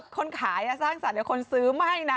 คนขาอย่าสร้างสรรค์แต่คนซื้อไม่นะ